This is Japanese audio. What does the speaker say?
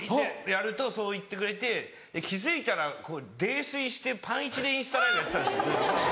やるとそう言ってくれて気付いたら泥酔してパンイチでインスタライブやってたんです。